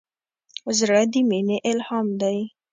زړه د مینې الهام دی.